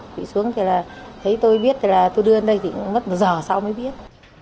quỵ xuống thì là thấy tôi biết thì là tôi đưa đến đây thì cũng mất một giờ sau mới biết